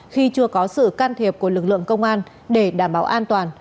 khi chưa có sự can thiệp của lực lượng công an để đảm bảo an toàn